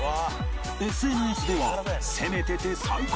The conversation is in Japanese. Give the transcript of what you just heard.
ＳＮＳ では「攻めてて最高」